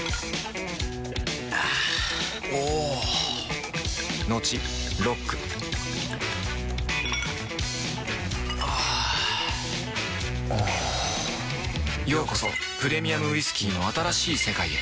あぁおぉトクトクあぁおぉようこそプレミアムウイスキーの新しい世界へ